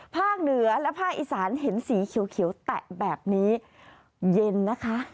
เหนือและภาคอีสานเห็นสีเขียวแตะแบบนี้เย็นนะคะ